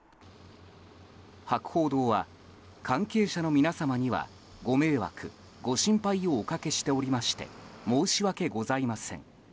博報堂は関係者の皆様にはご迷惑ご心配をおかけしておりまして申し訳ございません。